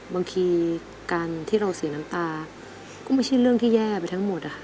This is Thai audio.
บางทีการที่เราเสียน้ำตาก็ไม่ใช่เรื่องที่แย่ไปทั้งหมดอะค่ะ